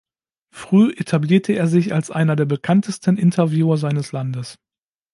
Früh etablierte er sich als einer der bekanntesten Interviewer seines Landes.